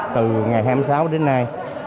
từ ngày hai mươi sáu đến nay